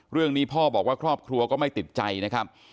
เรื่องนี้พ่อบอกว่าครอบครัวก็ไม่ติดใจนะครับ